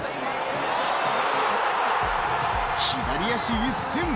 左足一閃。